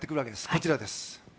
こちらです。